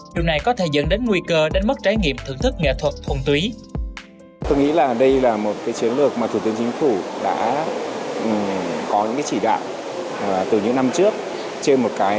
điều này có thể dẫn đến nguy cơ đánh mất trải nghiệm thưởng thức nghệ thuật thuần túy